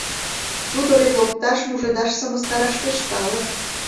Тудо вет локташ-мужедаш-сымыстараш пеш тале.